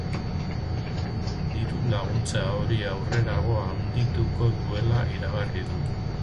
Diru-laguntza hori aurrerago handituko duela iragarri du.